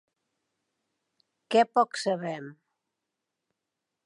Què poc sabem!